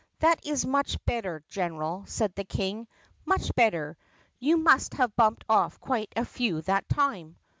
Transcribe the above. "That is much better, General," said the King, "much better. You must have bumped off quite a few that time."